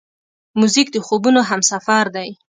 موزیک د خوبونو همسفر دی.